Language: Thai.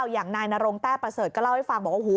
อย่างนายนารงแต้ประเสริฐก็เล่าให้ฟังว่าโอ้โห